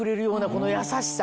この優しさ！